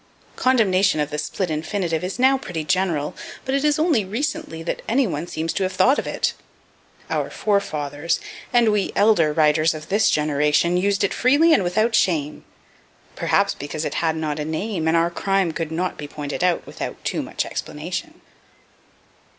Condemnation of the split infinitive is now pretty general, but it is only recently that any one seems to have thought of it. Our forefathers and we elder writers of this generation used it freely and without shame perhaps because it had not a name, and our crime could not be pointed out without too much explanation.